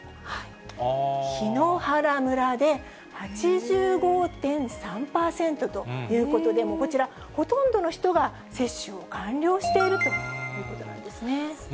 檜原村で、８５．３％ということで、こちら、ほとんどの人が接種を完了しているということなんですね。